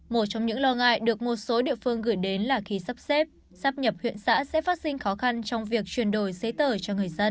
một trong những lo ngại được một số địa phương gửi đến là khi sắp xếp sắp nhập huyện xã sẽ phát sinh khó khăn trong việc chuyển đổi giấy tờ cho người dân